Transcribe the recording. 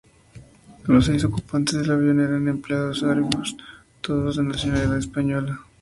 Los seis ocupantes del avión eran empleados de Airbus, todos de nacionalidad española.